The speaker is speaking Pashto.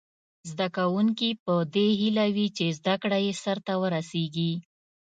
زده کوونکي په دې هیله وي چې زده کړه یې سرته ورسیږي.